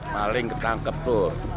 maling ketangkep tuh